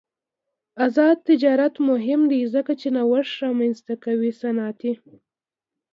آزاد تجارت مهم دی ځکه چې نوښت رامنځته کوي صنعتي.